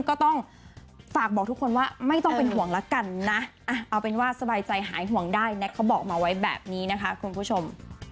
ก็ต้องฝากบอกทุกคนว่าไม่ต้องเป็นห่วงละกันนะเอาเป็นว่าสบายใจหายห่วงได้แน็กเขาบอกมาไว้แบบนี้นะคะคุณผู้ชม